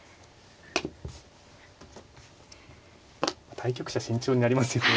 対局者慎重になりますよね